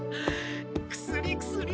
薬薬！